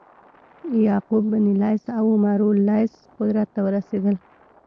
یعقوب بن لیث او عمرو لیث قدرت ته ورسېدل.